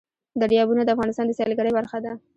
دریابونه د افغانستان د سیلګرۍ برخه ده.